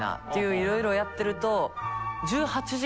いろいろやってると。